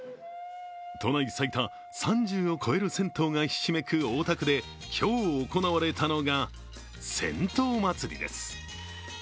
都内最多、３０を超える銭湯がひしめく大田区で今日行われたのが銭湯祭です。